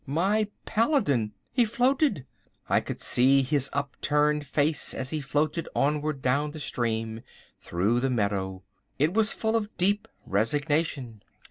My paladin! He floated! I could see his upturned face as he floated onwards down the stream, through the meadow! It was full of deep resignation.